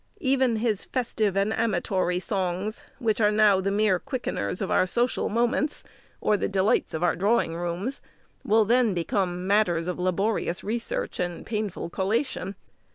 Even his festive and amatory songs, which are now the mere quickeners of our social moments, or the delights of our drawing rooms, will then become matters of laborious research and painful collation.